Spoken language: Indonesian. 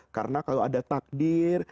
karena kalau ada takdir